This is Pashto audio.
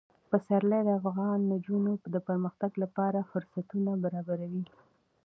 پسرلی د افغان نجونو د پرمختګ لپاره فرصتونه برابروي.